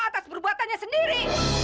atas perbuatannya sendiri